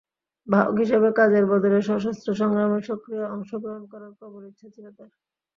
বাহক হিসেবে কাজের বদলে সশস্ত্র সংগ্রামে সক্রিয় অংশগ্রহণ করার প্রবল ইচ্ছা ছিল তার।